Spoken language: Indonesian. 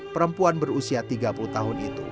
perempuan berusia tiga puluh tahun itu